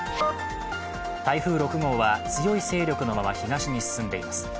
台風６号強い勢力のまま東に進んでいます。